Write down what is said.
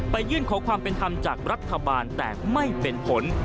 ยื่นขอความเป็นธรรมจากรัฐบาลแต่ไม่เป็นผล